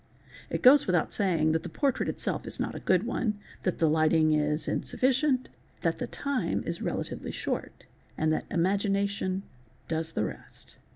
It goes without saying that the portrait itself is not a good one, that the lighting is insufficient, that the time is relatively — short, and that imagination does the rest.